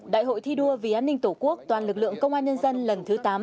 đại hội thi đua vì an ninh tổ quốc toàn lực lượng công an nhân dân lần thứ tám